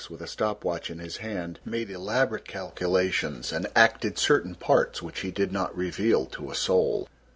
with a stop watch in his hand, made elaborate calculations and acted certain parts which he did not reveal to a soul.